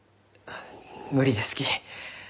無理ですき。